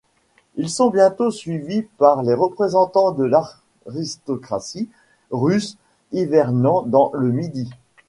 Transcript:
Ils sont bientôt suivis par les représentants de l'aristocratie russe hivernant dans le Midi.